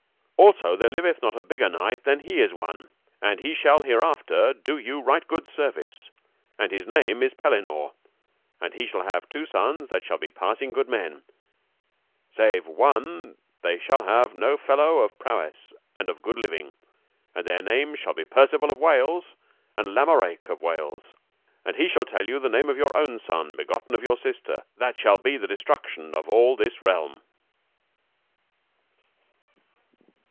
Also there liveth not a bigger knight than he is one, and he shall hereafter do you right good service; and his name is Pellinore, and he shall have two sons that shall be passing good men; save one they shall have no fellow of prowess and of good living, and their names shall be Percivale of Wales and Lamerake of Wales, and he shall tell you the name of your own son, begotten of your sister, that shall be the destruction of all this realm.